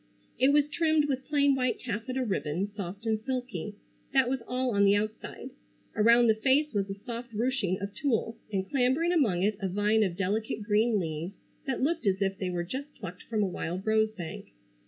It was trimmed with plain white taffeta ribbon, soft and silky. That was all on the outside. Around the face was a soft ruching of tulle, and clambering among it a vine of delicate green leaves that looked as if they were just plucked from a wild rose bank.